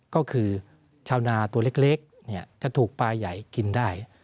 ก็คือชาวนาตัวเล็กจะถูกปลาใหญ่กินได้